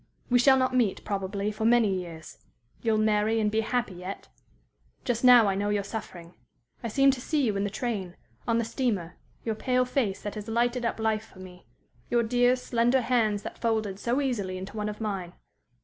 We shall not meet, probably, for many years. You'll marry and be happy yet. Just now I know you're suffering. I seem to see you in the train on the steamer your pale face that has lighted up life for me your dear, slender hands that folded so easily into one of mine.